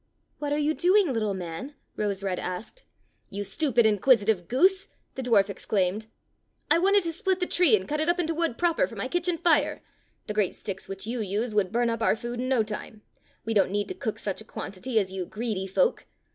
^ "What are you doing, little man.^" Rose red asked. " You stupid, inquisitive goose !" the dwarf exclaimed. "I wanted to split the tree and cut it up into wood proper for my kitchen fire. The great sticks which you use would burn up our food in no time. We don't need to cook such a quantity as you greedy folk.